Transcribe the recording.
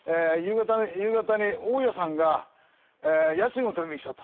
夕方に大家さんが家賃を取りに来たと。